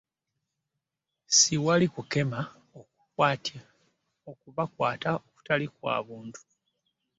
Siwali kukema okubakwata okutali kwa bantu.